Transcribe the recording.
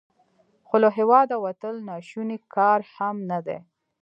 خو له هیواده وتل ناشوني کار هم نه دی.